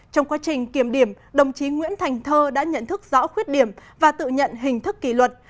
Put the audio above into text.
trong quá trình kiểm điểm đồng chí nguyễn thành thơ đã nhận thức rõ khuyết điểm và tự nhận hình thức kỷ luật